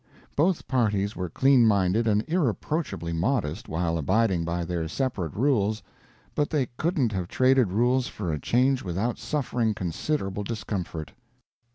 Both parties were clean minded and irreproachably modest, while abiding by their separate rules, but they couldn't have traded rules for a change without suffering considerable discomfort.